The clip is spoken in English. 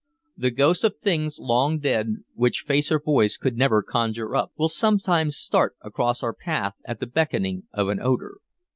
The ghost of things long dead, which face or voice could never conjure up, will sometimes start across our path at the beckoning of an odor.